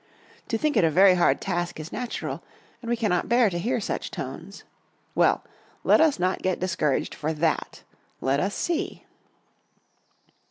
To think it a very hard task is natural, and we cannot bear to hear such tones. Well, let us not get discouraged for that; let us see!